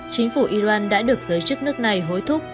chính phủ iran đã được giới chức nước này hối thúc